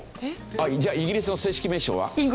じゃあイギリスの正式名称は？